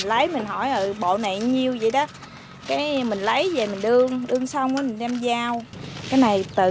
lấy mình hỏi ở bộ này nhiêu vậy đó cái mình lấy về mình đương đương xong mình đem giao cái này tự